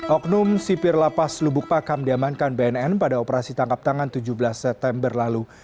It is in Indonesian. oknum sipir lapas lubuk pakam diamankan bnn pada operasi tangkap tangan tujuh belas september lalu